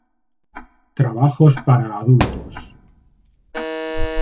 Trabajos para adultos